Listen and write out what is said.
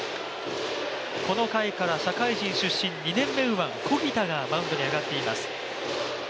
この回から社会人出身２年目右腕・小木田がマウンドに上がっています。